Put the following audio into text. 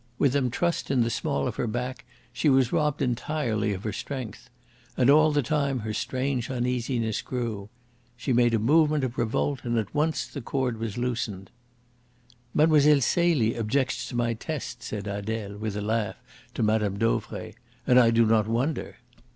With them trussed in the small of her back she was robbed entirely of her strength. And all the time her strange uneasiness grew. She made a movement of revolt, and at once the cord was loosened. "Mlle. Celie objects to my tests," said Adele, with a laugh, to Mme. Dauvray. "And I do not wonder."